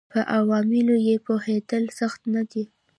پر عواملو یې پوهېدل سخت نه دي.